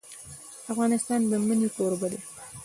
افغانستان د منی کوربه دی.